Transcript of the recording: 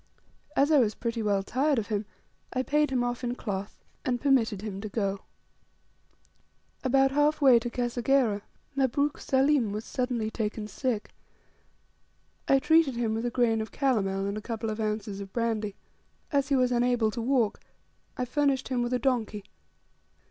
As I was pretty well tired of him, I paid him off in cloth, and permitted him to go. About half way to Kasegera Mabruk Saleem was suddenly taken sick. I treated him with a grain of calomel, and a couple of ounces of brandy. As he was unable to walk, I furnished him with a donkey.